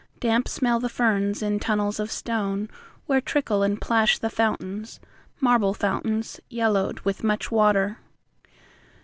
Damp smell the ferns in tunnels of stone, Where trickle and plash the fountains, Marble fountains, yellowed with much water.